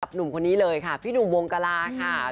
หนุ่มคนนี้เลยค่ะพี่หนุ่มวงกลาค่ะ